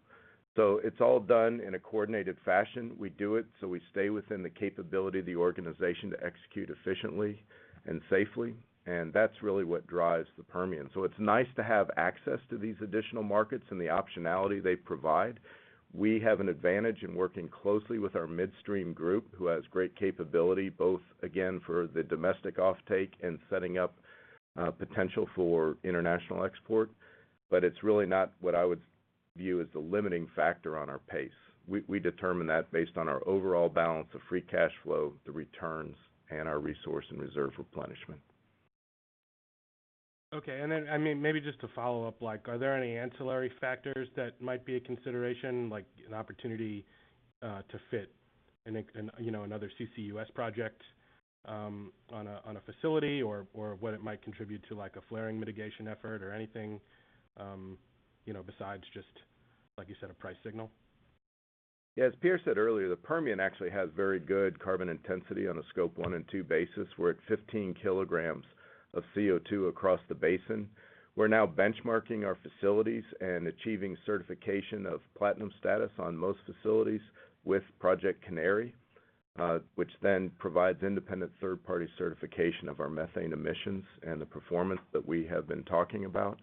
It's all done in a coordinated fashion. We do it, so we stay within the capability of the organization to execute efficiently and safely, and that's really what drives the Permian. It's nice to have access to these additional markets and the optionality they provide. We have an advantage in working closely with our midstream group, who has great capability, both again for the domestic offtake and setting up potential for international export. It's really not what I would view as the limiting factor on our pace. We determine that based on our overall balance of free cash flow, the returns, and our resource and reserve replenishment. Okay. I mean, maybe just to follow up, like, are there any ancillary factors that might be a consideration, like an opportunity to fit a, you know, another CCUS project on a facility or what it might contribute to, like, a flaring mitigation effort or anything, you know, besides just, like you said, a price signal? As Pierre said earlier, the Permian actually has very good carbon intensity on a Scope 1 and 2 basis. We're at 15 kg of CO2 across the basin. We're now benchmarking our facilities and achieving certification of platinum status on most facilities with Project Canary, which then provides independent third-party certification of our methane emissions and the performance that we have been talking about.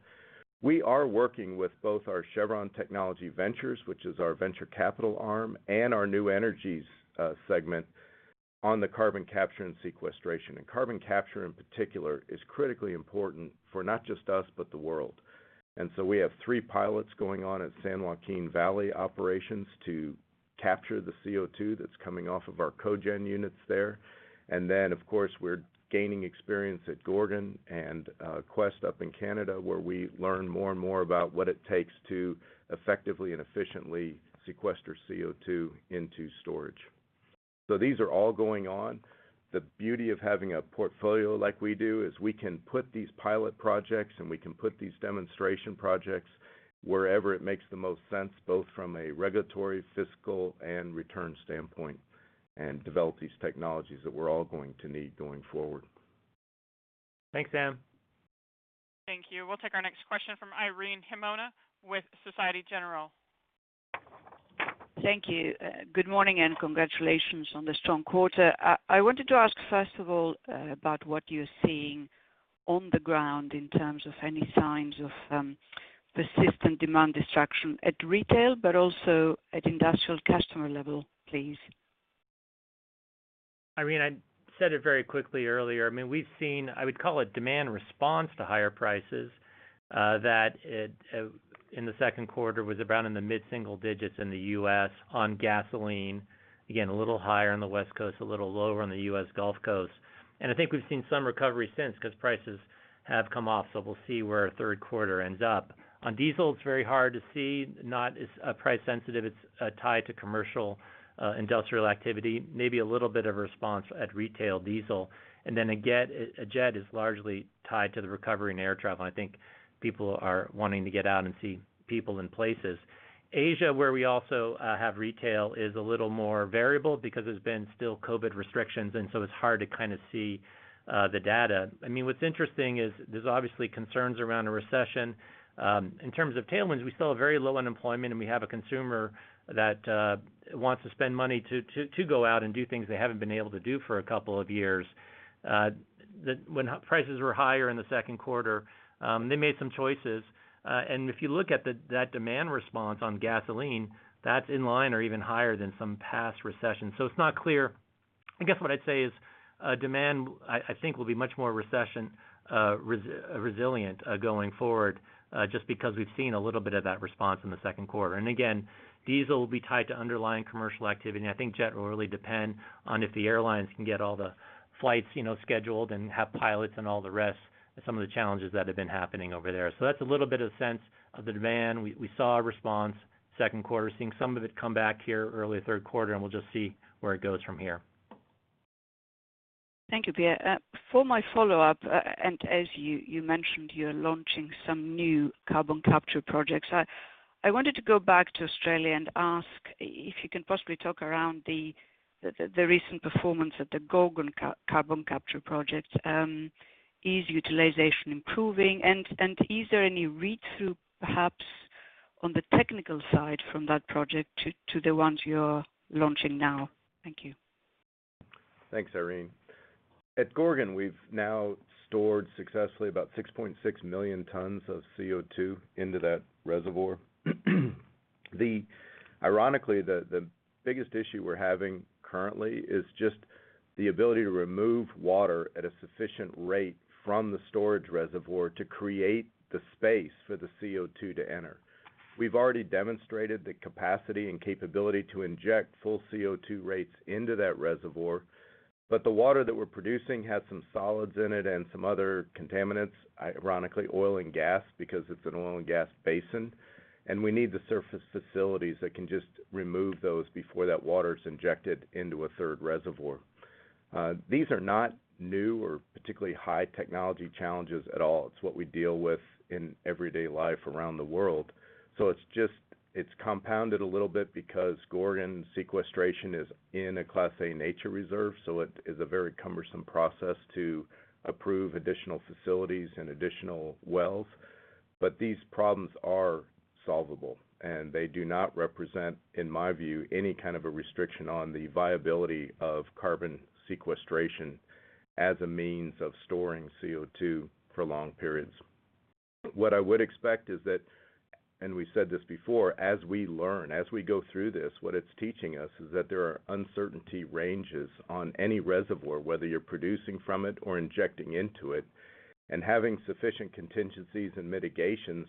We are working with both our Chevron Technology Ventures, which is our venture capital arm, and our New Energies segment on the carbon capture and sequestration. Carbon capture, in particular, is critically important for not just us, but the world. We have three pilots going on at San Joaquin Valley operations to capture the CO2 that's coming off of our cogen units there. Of course, we're gaining experience at Gorgon and Quest up in Canada, where we learn more and more about what it takes to effectively and efficiently sequester CO2 into storage. These are all going on. The beauty of having a portfolio like we do is we can put these pilot projects and we can put these demonstration projects wherever it makes the most sense, both from a regulatory, fiscal, and return standpoint, and develop these technologies that we're all going to need going forward. Thanks, Sam. Thank you. We'll take our next question from Irene Himona with Société Générale. Thank you. Good morning and congratulations on the strong quarter. I wanted to ask, first of all, about what you're seeing on the ground in terms of any signs of persistent demand destruction at retail, but also at industrial customer level, please. Irene, I said it very quickly earlier. I mean, we've seen, I would call it demand response to higher prices, that it, in the second quarter was around in the mid-single digits in the U.S. on gasoline. Again, a little higher on the West Coast, a little lower on the U.S. Gulf Coast. I think we've seen some recovery since 'cause prices have come off. We'll see where our third quarter ends up. On diesel, it's very hard to see. Not as price sensitive. It's tied to commercial industrial activity. Maybe a little bit of response at retail diesel. Then again, jet is largely tied to the recovery in air travel, and I think people are wanting to get out and see people and places. Asia, where we also have retail, is a little more variable because there's been still COVID restrictions, and so it's hard to kinda see the data. I mean, what's interesting is there's obviously concerns around a recession. In terms of tailwinds, we still have very low unemployment, and we have a consumer that wants to spend money to go out and do things they haven't been able to do for a couple of years. When prices were higher in the second quarter, they made some choices. If you look at that demand response on gasoline, that's in line or even higher than some past recessions. It's not clear. I guess what I'd say is, demand I think will be much more recession-resilient going forward, just because we've seen a little bit of that response in the second quarter. Again, diesel will be tied to underlying commercial activity, and I think jet will really depend on if the airlines can get all the flights, you know, scheduled and have pilots and all the rest, some of the challenges that have been happening over there. That's a little bit of sense of the demand. We saw a response second quarter, seeing some of it come back here early third quarter, and we'll just see where it goes from here. Thank you, Pierre. For my follow-up, as you mentioned you're launching some new carbon capture projects. I wanted to go back to Australia and ask if you can possibly talk about the recent performance of the Gorgon carbon capture project. Is utilization improving? Is there any read-through perhaps on the technical side from that project to the ones you're launching now? Thank you. Thanks, Irene. At Gorgon, we've now stored successfully about 6.6 million tons of CO2 into that reservoir. Ironically, the biggest issue we're having currently is just the ability to remove water at a sufficient rate from the storage reservoir to create the space for the CO2 to enter. We've already demonstrated the capacity and capability to inject full CO2 rates into that reservoir, but the water that we're producing has some solids in it and some other contaminants, ironically, oil and gas, because it's an oil and gas basin, and we need the surface facilities that can just remove those before that water is injected into a third reservoir. These are not new or particularly high technology challenges at all. It's what we deal with in everyday life around the world. It's just, it's compounded a little bit because Gorgon sequestration is in a Class A nature reserve, so it is a very cumbersome process to approve additional facilities and additional wells. These problems are solvable, and they do not represent, in my view, any kind of a restriction on the viability of carbon sequestration as a means of storing CO2 for long periods. What I would expect is that, and we said this before, as we learn, as we go through this, what it's teaching us is that there are uncertainty ranges on any reservoir, whether you're producing from it or injecting into it. Having sufficient contingencies and mitigations,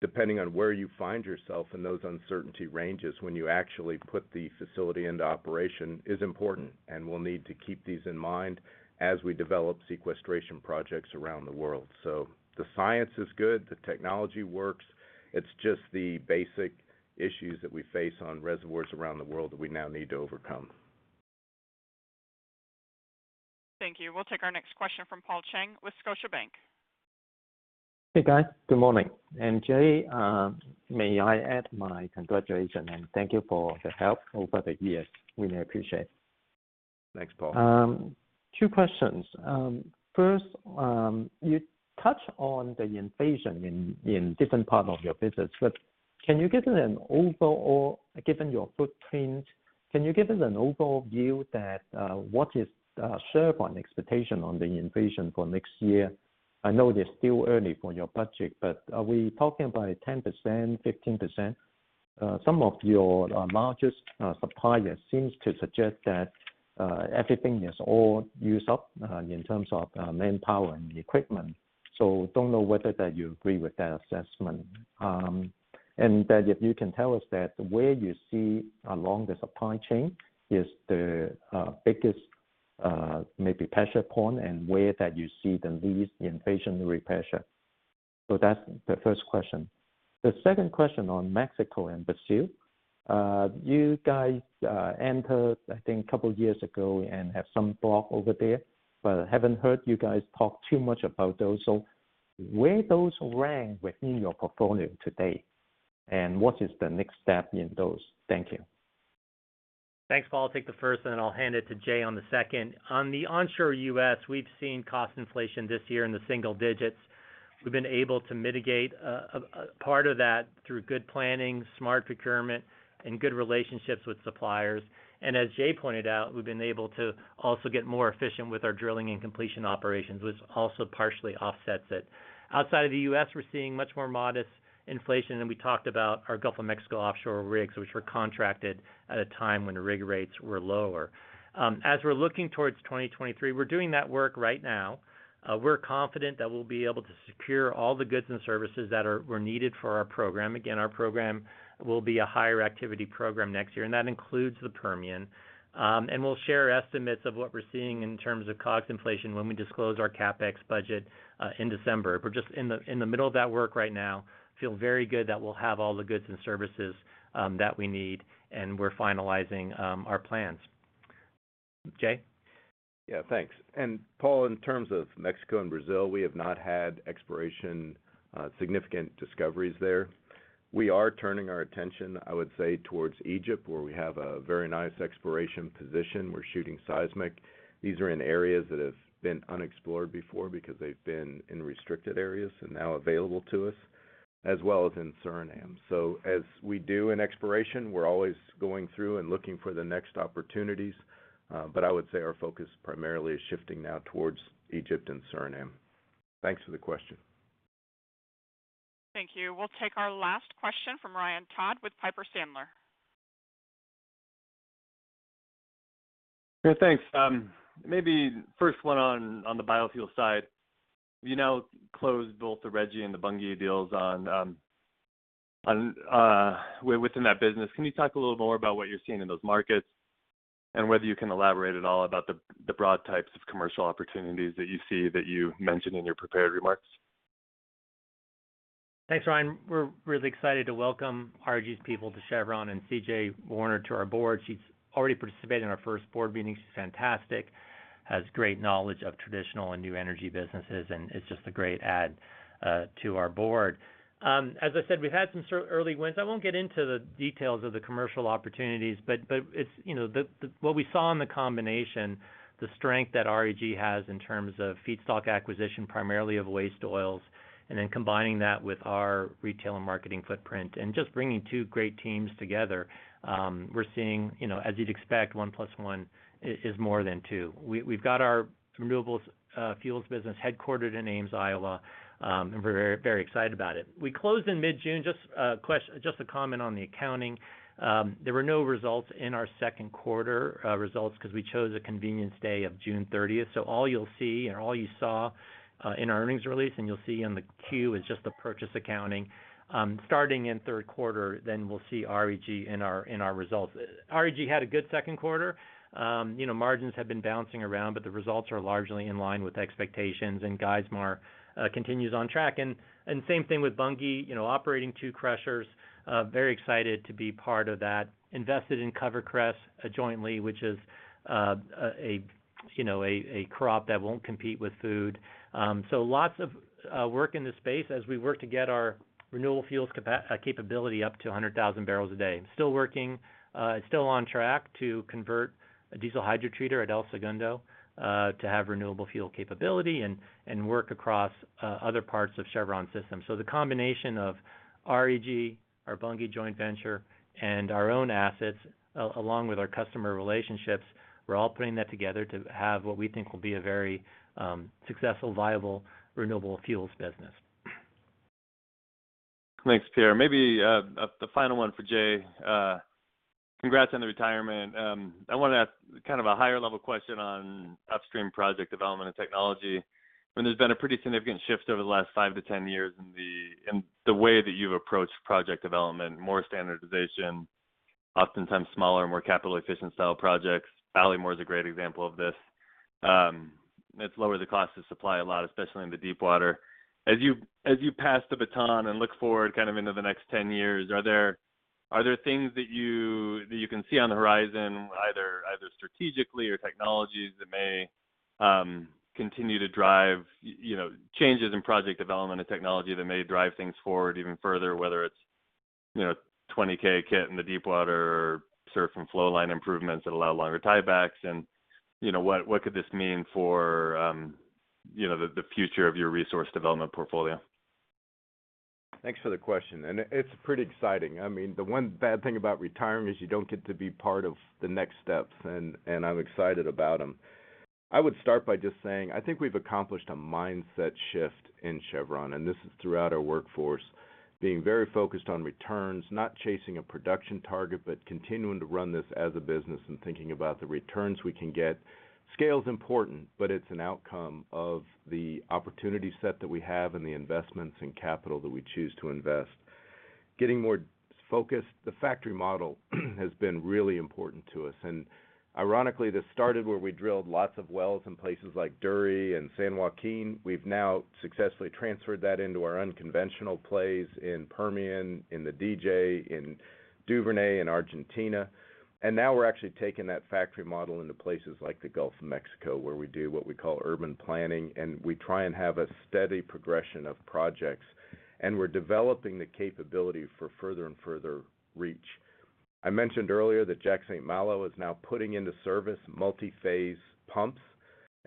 depending on where you find yourself in those uncertainty ranges when you actually put the facility into operation, is important, and we'll need to keep these in mind as we develop sequestration projects around the world. The science is good. The technology works. It's just the basic issues that we face on reservoirs around the world that we now need to overcome. Thank you. We'll take our next question from Paul Cheng with Scotiabank. Hey, guys. Good morning. Jay, may I add my congratulations and thank you for the help over the years. Really appreciate it. Thanks, Paul. Two questions. First, you touched on the inflation in different parts of your business, but Given your footprint, can you give us an overall view that what is Chevron's expectation on the inflation for next year? I know it is still early for your budget, but are we talking about 10%, 15%? Some of your largest suppliers seems to suggest that everything is all used up in terms of manpower and equipment. Don't know whether that you agree with that assessment. If you can tell us that where you see along the supply chain is the biggest maybe pressure point and where that you see the least inflation. Repair shop. That's the first question. The second question on Mexico and Brazil. You guys entered, I think, a couple years ago and have some block over there, but I haven't heard you guys talk too much about those. Where those rank within your portfolio today, and what is the next step in those? Thank you. Thanks, Paul. I'll take the first, and then I'll hand it to Jay on the second. On the onshore U.S., we've seen cost inflation this year in the single digits. We've been able to mitigate part of that through good planning, smart procurement, and good relationships with suppliers. As Jay pointed out, we've been able to also get more efficient with our drilling and completion operations, which also partially offsets it. Outside of the U.S., we're seeing much more modest inflation than we talked about. Our Gulf of Mexico offshore rigs, which were contracted at a time when the rig rates were lower. As we're looking towards 2023, we're doing that work right now. We're confident that we'll be able to secure all the goods and services that were needed for our program. Again, our program will be a higher activity program next year, and that includes the Permian. We'll share estimates of what we're seeing in terms of cost inflation when we disclose our CapEx budget in December. We're just in the middle of that work right now. Feel very good that we'll have all the goods and services that we need, and we're finalizing our plans. Jay? Yeah, thanks. Paul, in terms of Mexico and Brazil, we have not had exploration, significant discoveries there. We are turning our attention, I would say, towards Egypt, where we have a very nice exploration position. We're shooting seismic. These are in areas that have been unexplored before because they've been in restricted areas and now available to us, as well as in Suriname. As we do in exploration, we're always going through and looking for the next opportunities. I would say our focus primarily is shifting now towards Egypt and Suriname. Thanks for the question. Thank you. We'll take our last question from Ryan Todd with Piper Sandler. Yeah, thanks. Maybe first one on the biofuel side, you've now closed both the REG and the Bunge deals within that business. Can you talk a little more about what you're seeing in those markets and whether you can elaborate at all about the broad types of commercial opportunities that you see that you mentioned in your prepared remarks? Thanks, Ryan. We're really excited to welcome REG's people to Chevron and Cynthia Warner to our board. She's already participated in our first board meeting. She's fantastic. Has great knowledge of traditional and new energy businesses, and is just a great add to our board. As I said, we've had some early wins. I won't get into the details of the commercial opportunities, but it's, you know, what we saw in the combination, the strength that REG has in terms of feedstock acquisition, primarily of waste oils, and then combining that with our retail and marketing footprint, and just bringing two great teams together, we're seeing, you know, as you'd expect, one plus one is more than two. We've got our renewables fuels business headquartered in Ames, Iowa, and we're very excited about it. We closed in mid-June. Just a comment on the accounting. There were no results in our second quarter results 'cause we chose a convenience date of June thirtieth. All you'll see and all you saw in our earnings release, and you'll see on the Q, is just the purchase accounting. Starting in third quarter, we'll see REG in our results. REG had a good second quarter. You know, margins have been bouncing around, but the results are largely in line with expectations, and Geismar continues on track. Same thing with Bunge. You know, operating two crushers. Very excited to be part of that. Invested in CoverCress jointly, which is a crop that won't compete with food. Lots of work in this space as we work to get our renewable fuels capability up to 100,000 barrels a day. Still working on track to convert a diesel hydrotreater at El Segundo to have renewable fuel capability and work across other parts of Chevron's system. The combination of REG, our Bunge joint venture, and our own assets, along with our customer relationships, we're all putting that together to have what we think will be a very successful, viable renewable fuels business. Thanks, Pierre. Maybe the final one for Jay. Congrats on the retirement. I wanna ask kind of a higher level question on upstream project development and technology. I mean, there's been a pretty significant shift over the last five to 10 years in the way that you've approached project development, more standardization, oftentimes smaller, more capital efficient style projects. Ballymore is a great example of this. It's lowered the cost of supply a lot, especially in the deep water. As you pass the baton and look forward kind of into the next 10 years, are there things that you can see on the horizon, either strategically or technologies that may continue to drive, you know, changes in project development and technology that may drive things forward even further, whether it's, you know, 20K kit in the deepwater or SURF and flowline improvements that allow longer tiebacks and, you know, what could this mean for, you know, the future of your resource development portfolio? Thanks for the question, and it's pretty exciting. I mean, the one bad thing about retirement is you don't get to be part of the next steps, and I'm excited about 'em. I would start by just saying, I think we've accomplished a mindset shift in Chevron, and this is throughout our workforce, being very focused on returns, not chasing a production target, but continuing to run this as a business and thinking about the returns we can get. Scale is important, but it's an outcome of the opportunity set that we have and the investments in capital that we choose to invest. Getting more focused. The factory model has been really important to us. Ironically, this started where we drilled lots of wells in places like Duri and San Joaquin. We've now successfully transferred that into our unconventional plays in Permian, in the DJ, in Duvernay, in Argentina. Now we're actually taking that factory model into places like the Gulf of Mexico, where we do what we call urban planning, and we try and have a steady progression of projects. We're developing the capability for further and further reach. I mentioned earlier that Jack St. Malo is now putting into service multi-phase pumps.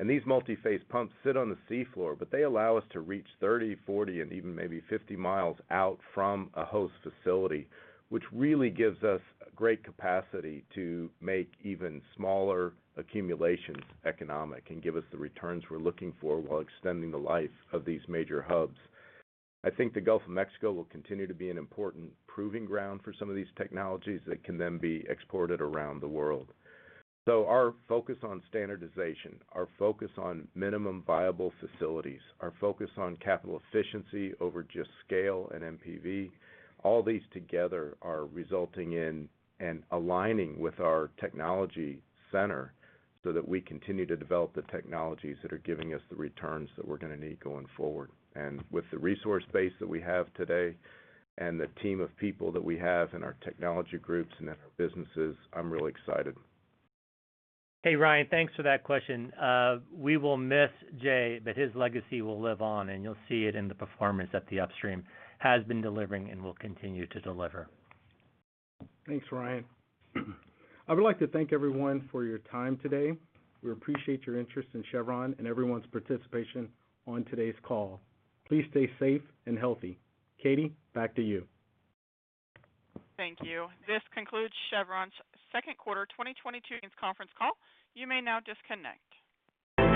These multi-phase pumps sit on the sea floor, but they allow us to reach 30, 40, and even maybe 50 miles out from a host facility, which really gives us great capacity to make even smaller accumulations economic and give us the returns we're looking for while extending the life of these major hubs. I think the Gulf of Mexico will continue to be an important proving ground for some of these technologies that can then be exported around the world. Our focus on standardization, our focus on minimum viable facilities, our focus on capital efficiency over just scale and MPV, all these together are resulting in and aligning with our technology center so that we continue to develop the technologies that are giving us the returns that we're gonna need going forward. With the resource base that we have today and the team of people that we have in our technology groups and in our businesses, I'm really excited. Hey, Ryan, thanks for that question. We will miss Jay, but his legacy will live on, and you'll see it in the performance that the Upstream has been delivering and will continue to deliver. Thanks, Ryan. I would like to thank everyone for your time today. We appreciate your interest in Chevron and everyone's participation on today's call. Please stay safe and healthy. Katie, back to you. Thank you. This concludes Chevron's second quarter 2022 conference call. You may now disconnect.